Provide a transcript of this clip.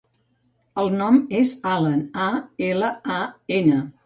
El nom és Alan: a, ela, a, ena.